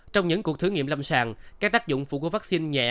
trong những cuộc thử nghiệm lâm sàng các tác dụng phụ của vaccine nhẹ